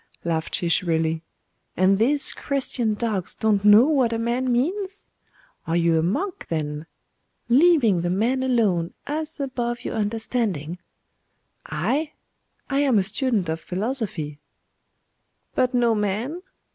laughed she shrilly. 'And these Christian dogs don't know what a man means? Are you a monk, then? leaving the man alone, as above your understanding.' 'I? I am a student of philosophy.' 'But no man?